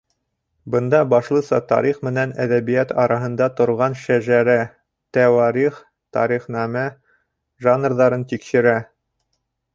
Бында башлыса тарих менән әҙәбиәт араһында торған шәжәрә, тәуарих, тарихнамә жанрҙарын тикшерә.